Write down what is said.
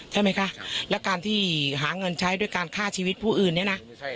ใช่ไหมคะแล้วการถือหาเงินใช้ด้วยการฆ่าชีวิตผู้อื่น